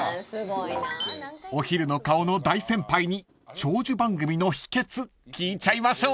［お昼の顔の大先輩に長寿番組の秘訣聞いちゃいましょう］